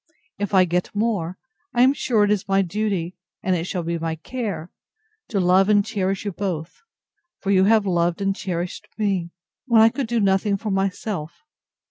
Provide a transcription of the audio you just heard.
If I get more, I am sure it is my duty, and it shall be my care, to love and cherish you both; for you have loved and cherished me, when I could do nothing for myself.